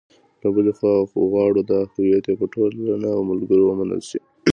له بلې خوا غواړي دا هویت یې په ټولنه او ملګرو ومنل شي.